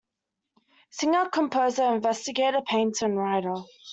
Singer, composer, investigator, painter and writer.